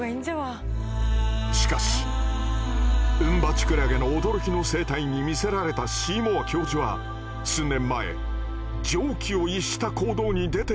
しかしウンバチクラゲの驚きの生態に魅せられたシーモア教授は数年前常軌を逸した行動に出てしまった。